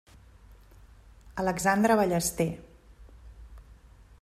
Alexandre Ballester.